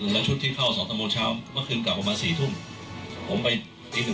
แล้วชุดที่เข้าสองตังโมเช้าเมื่อคืนกลับประมาณ๔ทุ่มผมไปตีหนึ่ง